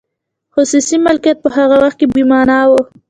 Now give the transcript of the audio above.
خصوصي مالکیت په هغه وخت کې بې مانا و.